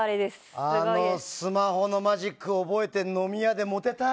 あのスマホのマジックを覚えて飲み屋でもてたい。